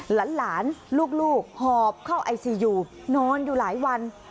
หลานลูกหอบเข้าไอซียูนอนอยู่หลายวัน